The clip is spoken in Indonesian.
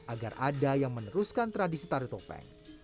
agar ada yang meneruskan tradisi tari topeng